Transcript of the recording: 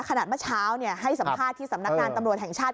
เมื่อเช้าให้สัมภาษณ์ที่สำนักงานตำรวจแห่งชาติ